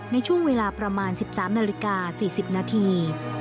ในช่วงเวลาประมาณสิบสามนาฬิกาสี่สิบนาที